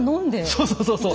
そうそうそうそう。